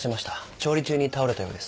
調理中に倒れたようです。